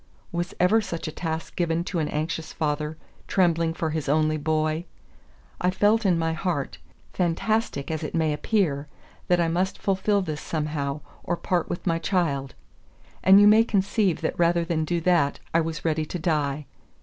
Was ever such a task given to an anxious father trembling for his only boy? I felt in my heart, fantastic as it may appear, that I must fulfill this somehow, or part with my child; and you may conceive that rather than do that I was ready to die.